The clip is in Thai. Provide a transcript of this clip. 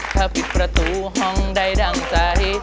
ถ้าปิดประตูห้องใดดั่งใจ